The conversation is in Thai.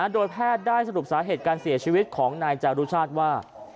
โดยแพทย์ได้สรุปสาเหตุการเสียชีวิตของนายจารุชาติว่า